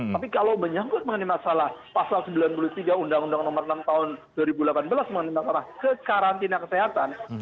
tapi kalau menyangkut mengenai masalah pasal sembilan puluh tiga undang undang nomor enam tahun dua ribu delapan belas mengenai masalah kekarantina kesehatan